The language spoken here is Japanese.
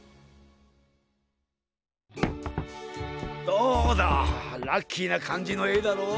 どうだラッキーなかんじのえだろう？